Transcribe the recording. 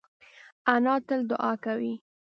انا تل دعا کوي